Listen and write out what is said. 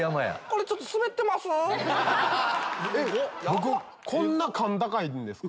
僕こんな甲高いんですか？